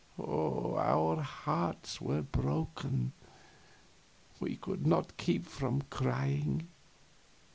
Our hearts were broken; we could not keep from crying.